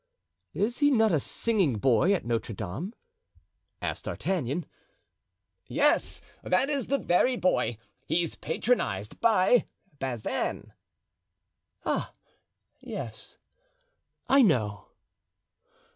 "Is he not a singing boy at Notre Dame?" asked D'Artagnan. "Yes, that is the very boy; he's patronized by Bazin." "Ah, yes, I know."